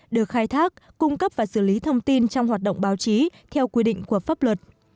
được khai thác cung cấp và xử lý thông tin trong hoạt động báo chí theo quy định của pháp luật